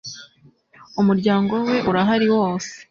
umuryango we urahari wose